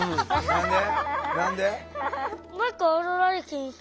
何で？